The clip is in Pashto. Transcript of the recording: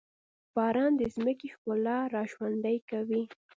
باران د ځمکې ښکلا راژوندي کوي.